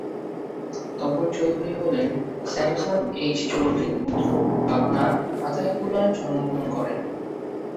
তপন চৌধুরী হলেন স্যামসন এইচ চৌধুরীর পুত্র পাবনার আতাইকুলায় জন্মগ্রহণ করেন।